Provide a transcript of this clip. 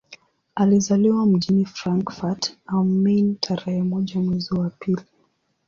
Alizaliwa mjini Frankfurt am Main tarehe moja mwezi wa pili